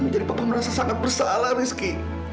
menjadi papa merasa sangat bersalah rizky